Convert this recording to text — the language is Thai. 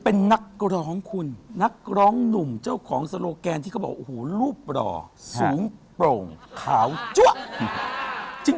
เป็นนักร้องคุณนักร้องหนุ่มเจ้าของโลแกนที่เขาบอกโอ้โหรูปหล่อสูงโปร่งขาวจั๊ว